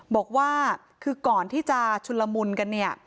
บอกว่าคือก่อนที่จะชุนละมุนกันเนี่ย